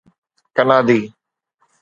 ڪنادي